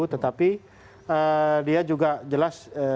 tetapi dia juga jelas